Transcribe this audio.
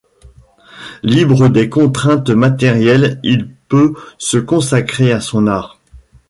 Libre des contraintes matérielles, il peut se consacrer à son art.